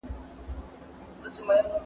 دا مهمه ده چې موږ چیرته کار کوو.